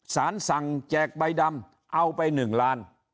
สารสั่งแจกใบดำเอาไป๑ล้าน